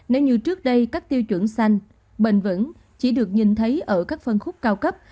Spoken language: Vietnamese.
nếu như trước đây các tiêu chuẩn xanh bền vững chỉ được nhìn thấy ở các phân khúc cao cấp